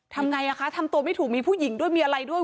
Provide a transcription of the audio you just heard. ทำไงอ่ะคะทำตัวไม่ถูกมีผู้หญิงด้วยมีอะไรด้วย